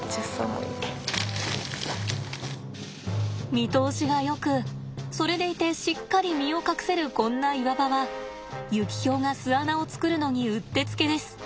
見通しがよくそれでいてしっかり身を隠せるこんな岩場はユキヒョウが巣穴を作るのにうってつけです。